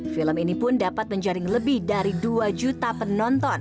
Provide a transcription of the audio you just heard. film ini pun dapat menjaring lebih dari dua juta penonton